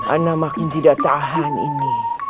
anak makin tidak tahan ini